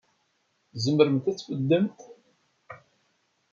Tzemremt ad tbeddemt?